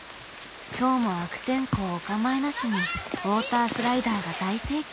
今日も悪天候お構いなしにウォータースライダーが大盛況。